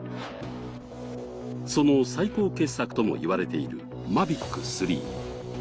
その最高傑作とも言われているＭａｖｉｃ３。